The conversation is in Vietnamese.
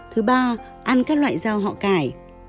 thứ ba ăn các loại rau họ cải